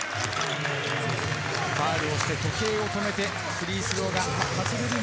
ファウルをして時計を止めてフリースロー。